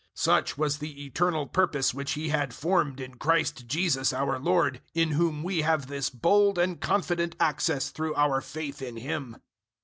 003:011 Such was the eternal purpose which He had formed in Christ Jesus our Lord, 003:012 in whom we have this bold and confident access through our faith in Him.